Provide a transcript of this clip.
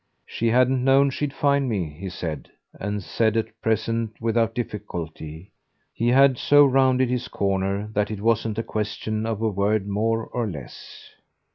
"She hadn't known she'd find me," he said and said at present without difficulty. He had so rounded his corner that it wasn't a question of a word more or less.